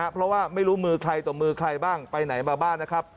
เพราะว่าไม่รู้มือใครต่อมือใครบ้างไปไหนมาบ้างนะครับ